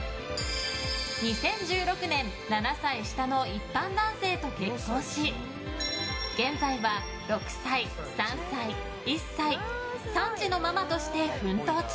２０１６年７歳下の一般男性と結婚し現在は６歳、３歳、１歳３児のママとして奮闘中。